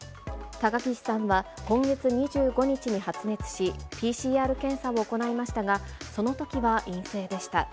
高岸さんは今月２５日に発熱し、ＰＣＲ検査を行いましたが、そのときは陰性でした。